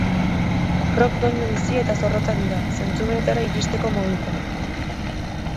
Rock doinu bizi eta zorrotzak dira, zentzumenetara iristeko modukoak.